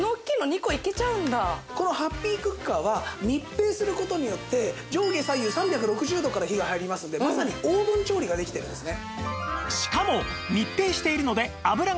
このハッピークッカーは密閉する事によって上下左右３６０度から火が入りますのでまさにオーブン調理ができてるんですね。